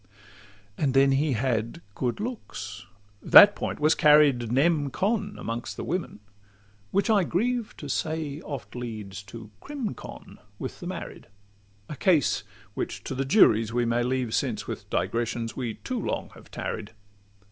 And then he had good looks;—that point was carried Nem. con. amongst the women, which I grieve To say leads oft to crim. con. with the married— A case which to the juries we may leave, Since with digressions we too long have tarried.